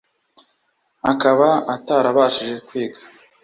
akaba atarabashije kwiga